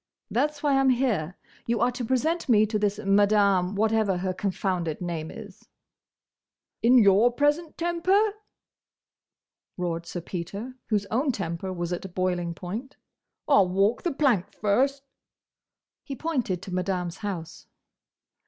"That's why I 'm here. You are to present me to this Madame—whatever her confounded name is." "In your present temper?" roared Sir Peter, whose own temper was at boiling point. "I'll walk the plank first!" He pointed to Madame's house.